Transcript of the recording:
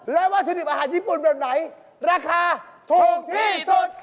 และวัตถุดิบอาหารญี่ปุ่นแบบไหนราคาถูกที่สุด